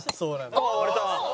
ああ割れた。